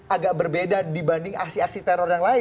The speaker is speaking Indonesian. agak berbeda dibanding aksi aksi teror yang lain